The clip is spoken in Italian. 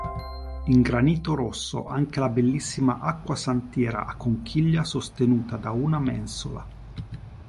In granito rosso anche la bellissima acquasantiera a conchiglia sostenuta da una mensola.